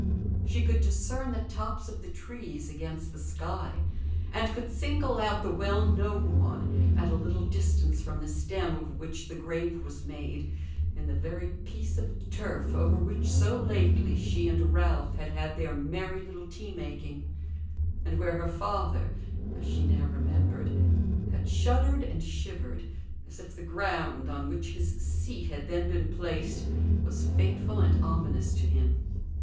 She could discern the tops of the trees against the sky, and could single out the well known one, at a little distance from the stem of which the grave was made, in the very piece of turf over which so lately she and Ralph had had their merry little tea making; and where her father, as she now remembered, had shuddered and shivered, as if the ground on which his seat had then been placed was fateful and ominous to him.